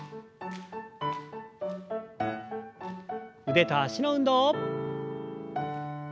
腕と脚の運動。